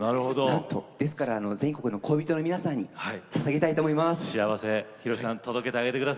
ですから全国の恋人の皆さんに届けたいと思います。